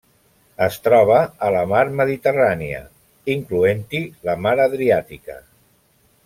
Es troba a la Mar Mediterrània, incloent-hi la Mar Adriàtica.